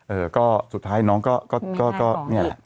เออก็สุดท้ายน้องก็เนี่ยแหละ